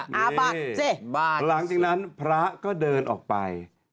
นี่หลังจากนั้นพระก็เดินออกไป